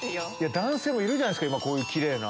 男性もいるじゃないですかこういうキレイな。